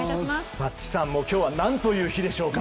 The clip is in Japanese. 松木さん、今日は何という日でしょうか。